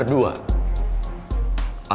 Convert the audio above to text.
gak ada apa apa